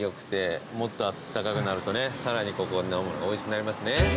もっとあったかくなるとねさらにおいしくなりますね。